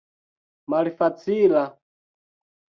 malfacila